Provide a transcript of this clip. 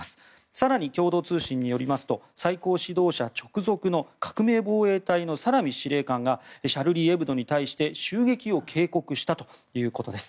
更に共同通信によりますと最高指導者直属の革命防衛隊のサラミ司令官がシャルリー・エブドに対して襲撃を警告したということです。